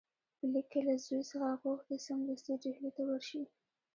په لیک کې له زوی څخه غوښتي سمدستي ډهلي ته ورشي.